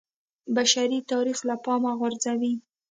بشري تاریخ له پامه غورځوي